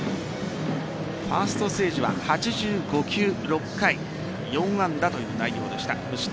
ファーストステージは８５球．６回４安打という内容でした。